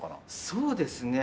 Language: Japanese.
そうですね。